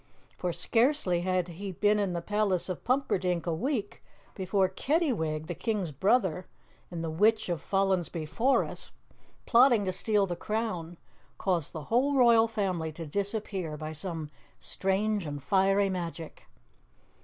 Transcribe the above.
For scarcely had he been in the palace of Pumperdink a week, before Kettywig, the King's brother, and the Witch of Follensby Forest, plotting to steal the crown, caused the whole royal family to disappear by some strange and fiery magic.